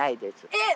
えっ！